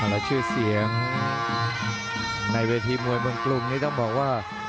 แล้วชื่อเสียงในเวทีมวยเมืองกรุงนี่ต้องบอกว่า